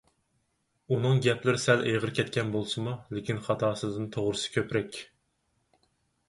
ئۇنىڭ گەپلىرى سەل ئېغىر كەتكەن بولسىمۇ، لېكىن خاتاسىدىن توغرىسى كۆپرەك.